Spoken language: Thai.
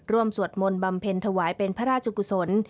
สวดมนต์บำเพ็ญถวายเป็นพระราชกุศล